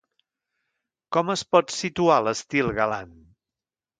Com es pot situar l'estil galant?